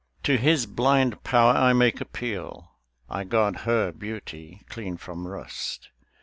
To his blind power I make appeal; I guard her beauty clean from rust.